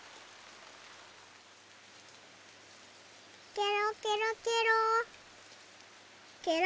ケロケロケロケロ。